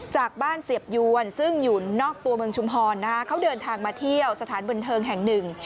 จากบ้านเสียบยวนซึ่งอยู่นอกตัวเมืองชุมพรเขาเดินทางมาเที่ยวสถานบันเทิงแห่งหนึ่ง